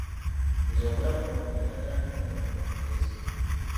Nze obulamu bwange njagala nnyo omwana omugezi.